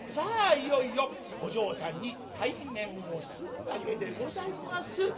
いよいよお嬢さんに対面をするわけでございます。